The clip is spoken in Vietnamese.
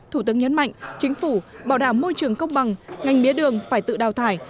thủ tướng nhấn mạnh chính phủ bảo đảm môi trường công bằng ngành mía đường phải tự đào thải